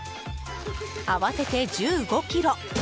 合わせて１５ｋｇ！